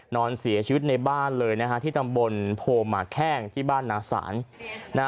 นอนเสียชีวิตในบ้านเลยนะฮะที่ตำบลโพหมาแข้งที่บ้านนาศาลนะฮะ